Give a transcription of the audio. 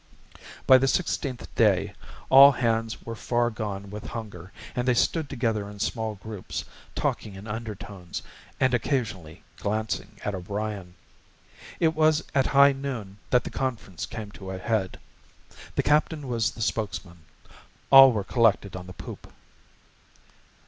By the sixteenth day all hands were far gone with hunger, and they stood together in small groups, talking in undertones and occasionally glancing at O'Brien. It was at high noon that the conference came to a head. The captain was the spokesman. All were collected on the poop.